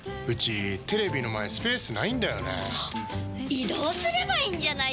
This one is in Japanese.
移動すればいいんじゃないですか？